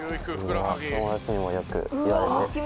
友達にもよく言われて。